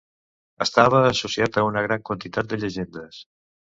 Estava associat a una gran quantitat de llegendes.